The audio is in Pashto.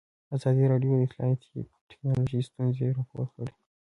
ازادي راډیو د اطلاعاتی تکنالوژي ستونزې راپور کړي.